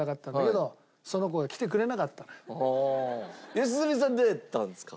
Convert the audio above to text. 良純さんどうやったんですか？